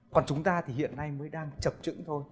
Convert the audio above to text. còn chúng ta thì hiện nay mới đang chập trứng thôi